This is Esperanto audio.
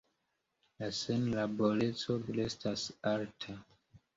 La senlaboreco restas alta.